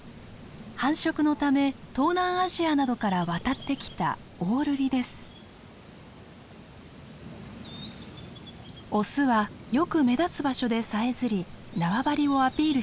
繁殖のため東南アジアなどから渡ってきたオスはよく目立つ場所でさえずり縄張りをアピールします。